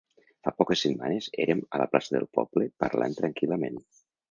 Fa poques setmanes érem a la plaça del poble parlant tranquil·lament.